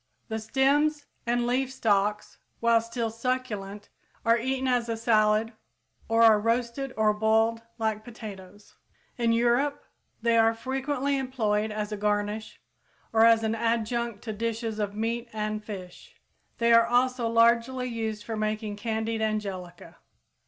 _ The stems and leaf stalks, while still succulent, are eaten as a salad or are roasted or boiled like potatoes. In Europe, they are frequently employed as a garnish or as an adjunct to dishes of meat and fish. They are also largely used for making candied angelica.